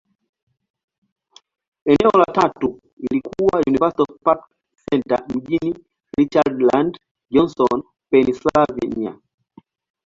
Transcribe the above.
Eneo la tatu lililokuwa University Park Centre, mjini Richland, Johnstown, Pennyslvania.